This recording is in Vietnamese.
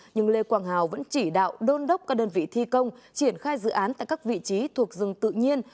nhưng lê quang hào vẫn chỉ đạo đôn đốc các đơn vị thi công triển khai dự án tại các vị trí thuộc rừng tự nhiên